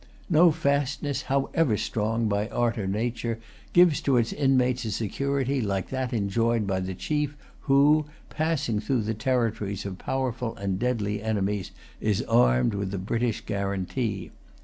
No fastness, however strong by art or nature, gives to its inmates a security like that enjoyed by the chief who, passing through the territories of powerful and deadly enemies, is armed with the British guarantee.